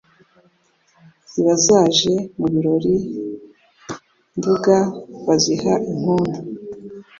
Ziba zaje mu birori,I Nduga baziha impundu